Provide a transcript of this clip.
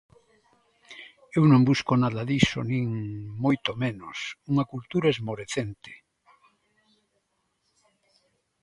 Eu non busco nada diso nin, moito menos, unha cultura esmorecente.